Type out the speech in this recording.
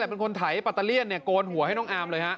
แต่เป็นคนไถปัตเตอร์เลี่ยนโกนหัวให้น้องอาร์มเลยฮะ